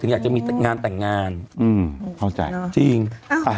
อยากจะมีงานแต่งงานอืมเข้าใจจริงอ่า